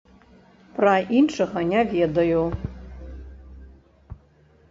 Пра іншага не ведаю.